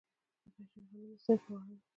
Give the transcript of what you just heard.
د پنجشیر غنم د سیند په غاړه دي.